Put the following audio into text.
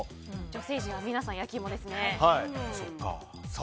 女性陣は皆さん焼き芋ですね。